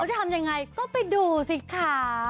จะทำยังไงก็ไปดูสิค่ะ